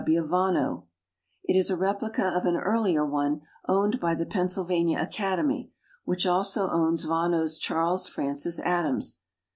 W. Vonnoh. It is a replica of an earlier one owned by the Pennsylvania Academy, which also owns Vonnoh's Charles Francis Adams.